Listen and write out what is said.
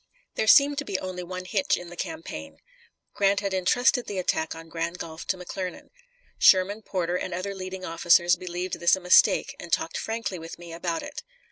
There seemed to be only one hitch in the campaign. Grant had intrusted the attack on Grand Gulf to McClernand. Sherman, Porter, and other leading officers believed this a mistake, and talked frankly with me about it.